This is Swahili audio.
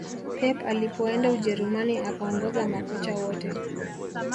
pep alipoenda ujerumani akaongoza makocha wote